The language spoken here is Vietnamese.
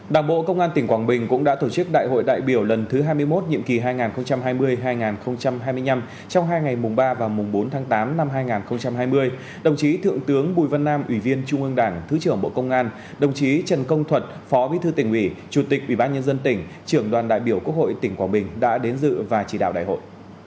đảng bộ công an tỉnh quảng bình cũng đã tổ chức đại hội đại biểu lần thứ hai mươi một nhậm kỳ hai nghìn hai mươi hai nghìn hai mươi năm trong hai ngày mùng ba và mùng bốn tháng tám năm hai nghìn hai mươi đồng chí thượng tướng bùi văn nam ủy viên trung ương đảng thứ trưởng bộ công an đồng chí trần công thuật phó bí thư tỉnh ủy chủ tịch ubnd tỉnh trưởng đoàn đại biểu quốc hội tỉnh quảng bình đã đến dự và chỉ đạo đại hội